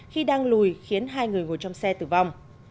khi đang lùi khiến hai người ngồi trong xe tử vong